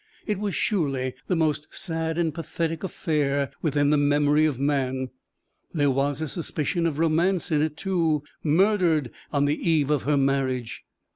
It was surely the most sad and pathetic affair within the memory of man. There was a suspicion of romance in it, too murdered on the eve of her marriage.